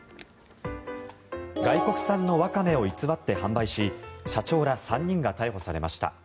外国産のワカメを偽って販売し社長ら３人が逮捕されました。